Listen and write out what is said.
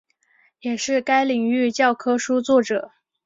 也是该领域教科书作者。